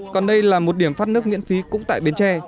còn đây là một điểm phát nước miễn phí cũng tại bến tre